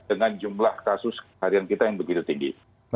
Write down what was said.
dengan jumlah kasus harian kita yang begitu tinggi